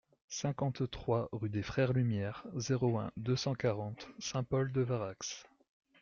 cinquante-trois rue des Frères Lumière, zéro un, deux cent quarante, Saint-Paul-de-Varax